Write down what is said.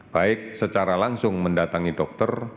baik secara langsung mendatangi dokter